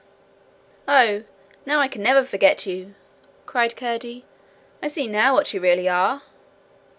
'Oh, now I can never forget you!' cried Curdie. 'I see now what you really are!'